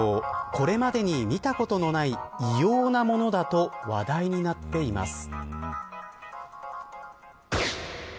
これまでに見たことのない異様なものだと話題になっています。